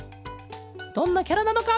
どんなキャラなのか？